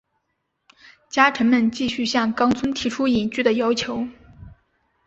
家臣们继续向纲村提出隐居的要求。